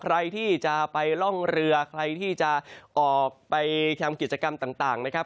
ใครที่จะไปล่องเรือใครที่จะออกไปทำกิจกรรมต่างนะครับ